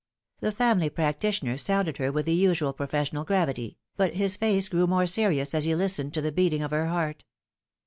The family practitioner sounded her with the usual professional gravity, but his face grew more serious as he listened to the beating of her heart.